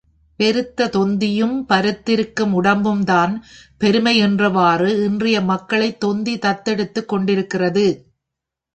பெருத்தத் தொந்தியும் பருத்திருக்கும் உடம்பும் தான் பெருமை என்றவாறு, இன்றைய மக்களைத் தொந்தி தத்தெடுத்துக் கொண்டிருக்கிறது.